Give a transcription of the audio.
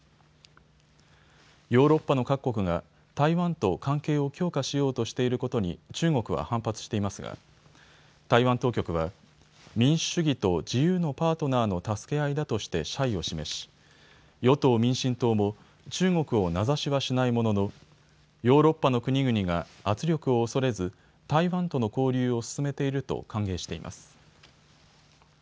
ヨーロッパの各国が台湾と関係を強化しようとしていることに中国は反発していますが台湾当局は民主主義と自由のパートナーの助け合いだとして謝意を示し、与党民進党も中国を名指しはしないもののヨーロッパの国々が圧力を恐れず台湾との交流を進めていると歓迎しています。